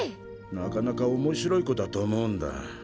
なかなか面白い子だと思うんだ。